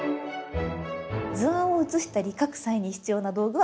図案を写したり描く際に必要な道具はこちらです。